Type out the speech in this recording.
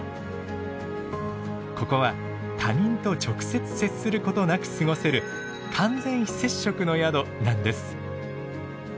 ここは他人と直接接することなく過ごせる「完全非接触」の宿なんです。